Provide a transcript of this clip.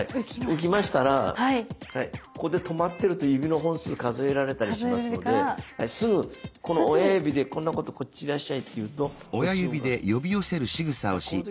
浮きましたらここで止まってると指の本数数えられたりしますのですぐこの親指でこっちいらっしゃいって言うとこっちへ動かす。